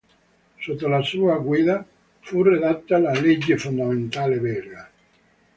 Sotto la sua guida, fu redatta la Legge fondamentale belga.